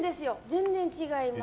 全然違います。